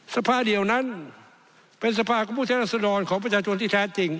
สภาเดียวนั้นเป็นสภาของผู้แทนรัศดรของประชาชนที่แท้จริง